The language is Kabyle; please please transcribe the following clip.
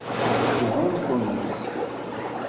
Iɛum Thomas.